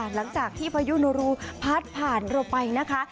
หลังจากที่พายุโนรูพาดผ่านเราไปนะคะ